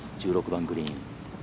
１６番グリーン。